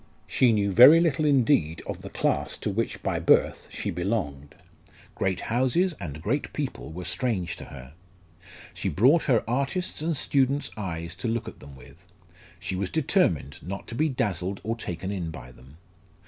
She knew very little indeed of the class to which by birth she belonged; great houses and great people were strange to her. She brought her artist's and student's eyes to look at them with; she was determined not to be dazzled or taken in by them.